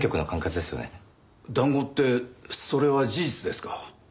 談合ってそれは事実ですか？